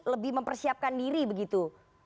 lebih mempersiapkan diri begitu